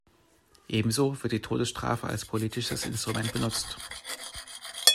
Ebenso wird die Todesstrafe als politisches Instrument benutzt.